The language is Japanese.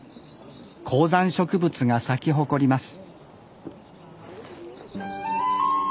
高山植物が咲き誇ります